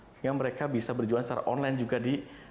sehingga mereka bisa berjualan secara online juga di